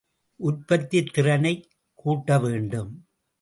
உற்பத்தித் திறனைக் கூட்டவேண்டும்.